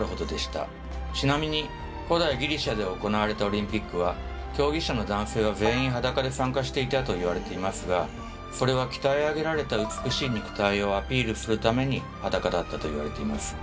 ちなみに古代ギリシャで行われたオリンピックは競技者の男性は全員裸で参加していたといわれていますがそれは鍛え上げられた美しい肉体をアピールするために裸だったといわれています。